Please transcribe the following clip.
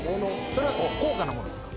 それは高価なものですか？